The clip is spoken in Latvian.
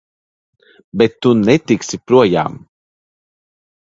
Bet tu netiksi projām!